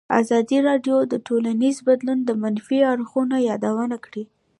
ازادي راډیو د ټولنیز بدلون د منفي اړخونو یادونه کړې.